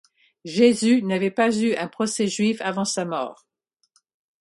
Jésus n'avait pas eu un procès juif avant sa mort.